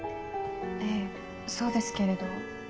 ええそうですけれど。